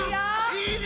いいね！